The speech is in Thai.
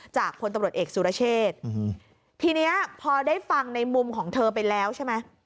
พลตำรวจเอกสุรเชษทีเนี้ยพอได้ฟังในมุมของเธอไปแล้วใช่ไหม